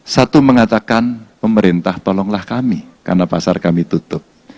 satu mengatakan pemerintah tolonglah kami karena pasar kami tutup